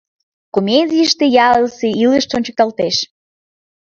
Комедийыште ялысе илыш ончыкталтеш.